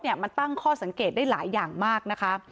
มันตั้งข้อสังเกตได้หลายอย่างมากนะคะ